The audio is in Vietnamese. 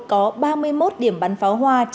có ba mươi một điểm bắn pháo hoa